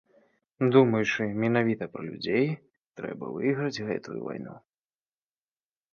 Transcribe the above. Думаючы менавіта пра людзей, трэба выйграць гэтую вайну!